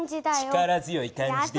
力強い感じです！